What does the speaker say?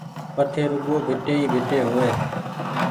وٺي رڳو ڀيٽي ئي ڀيٽي هووي